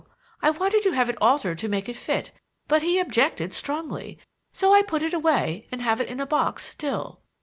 I wanted to have it altered to make it fit, but he objected strongly; so I put it away, and have it in a box still."